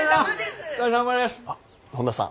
本田さん